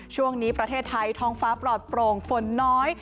ช่วงนี้ประเทศไทยท้องฟ้าปลอดโปร่งฝนน้อย